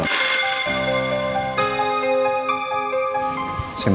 kamu yang kenapa